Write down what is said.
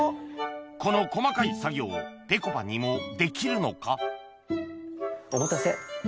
この細かい作業をぺこぱにもできるのか？